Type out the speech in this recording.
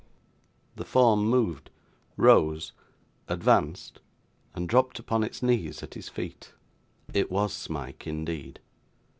The form moved, rose, advanced, and dropped upon its knees at his feet. It was Smike indeed.